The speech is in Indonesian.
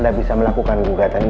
dan setelah berjalan ke rumah sakit